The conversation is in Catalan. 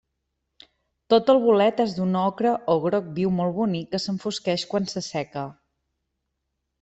Tot el bolet és d'un ocre o groc viu molt bonic que s'enfosqueix quan s'asseca.